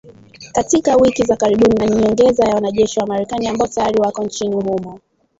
Katika wiki za karibuni na ni nyongeza ya wanajeshi wa Marekani ambao tayari wako nchini humo.